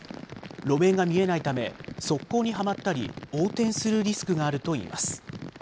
路面が見えないため、側溝にはまったり、横転するリスクがあるといいます。